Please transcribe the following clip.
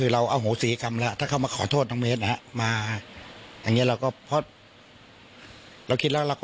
และธรรมสมมุติการรู้สึกสุดท้าย